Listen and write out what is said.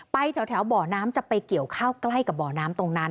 แถวบ่อน้ำจะไปเกี่ยวข้าวใกล้กับบ่อน้ำตรงนั้น